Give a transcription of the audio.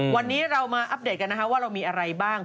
วันนี้เรามาอัปเดตกันนะคะว่าเรามีอะไรบ้าง